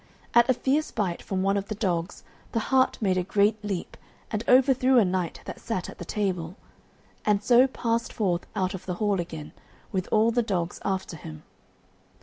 At a fierce bite from one of the dogs the hart made a great leap, and overthrew a knight that sat at the table, and so passed forth out of the hall again, with all the dogs after him.